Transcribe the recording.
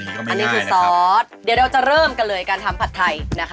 เดี๋ยวเราจะเริ่มกันเลยการทำผัดไทยนะคะ